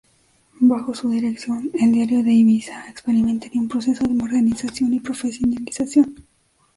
Bajo su dirección, el "Diario de Ibiza" experimentaría un proceso de modernización y profesionalización.